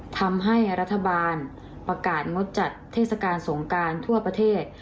ทำให้รัฐบาลประกาศงดจัดเทศกาลสงการทั่วประเทศ